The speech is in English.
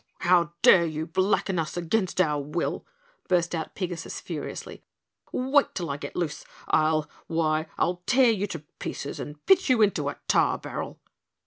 "How dare you blacken us against our will?" burst out Pigasus furiously. "Wait till I get loose, I'll why, I'll tear you to pieces and pitch you into a tar barrel."